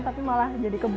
tapi malah jadi kebun